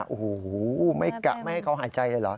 โอ้โหไม่กะไม่ให้เขาหายใจเลยเหรอ